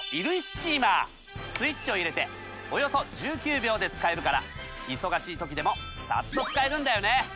スイッチを入れておよそ１９秒で使えるから忙しい時でもサッと使えるんだよね。